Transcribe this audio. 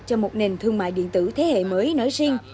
cho một nền thương mại điện tử thế hệ mới nói riêng